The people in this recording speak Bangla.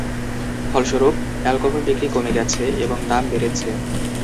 ফলস্বরূপ, অ্যালকোহল বিক্রি কমে গেছে এবং দাম বেড়েছে।